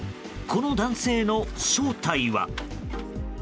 この男性の正体は。